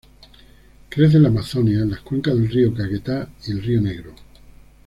Crece en la Amazonia, en las cuencas del río Caquetá y el río Negro.